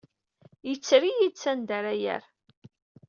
Yetter-iyi-d sanda ara yerr.